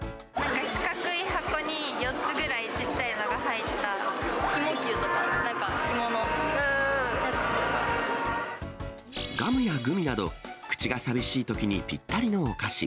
四角い箱に４つぐらいちっちひもＱとか、なんかひものやガムやグミなど、口が寂しいときにぴったりのお菓子。